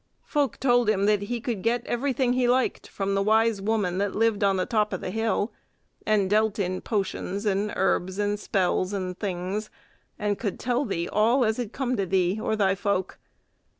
Folk told him that he could get everything he liked from the wise woman that lived on the top o' the hill, and dealt in potions and herbs and spells and things, and could tell thee! all as 'd come to thee or thy folk.